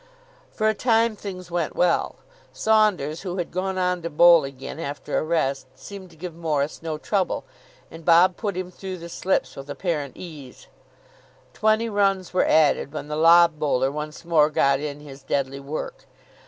For a time things went well. Saunders, who had gone on to bowl again after a rest, seemed to give Morris no trouble, and Bob put him through the slips with apparent ease. Twenty runs were added, when the lob bowler once more got in his deadly work.